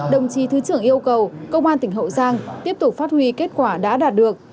đồng chí thứ trưởng yêu cầu công an tỉnh hậu giang tiếp tục phát huy kết quả đã đạt được